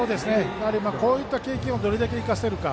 こういった経験をどれだけ生かせるか。